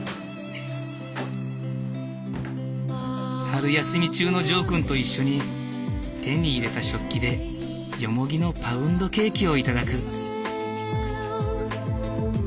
春休み中のジョーくんと一緒に手に入れた食器でヨモギのパウンドケーキを頂く。